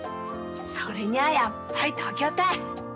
それにはやっぱり東京たい！